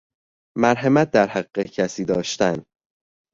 مرحمت در حق کسی داشتن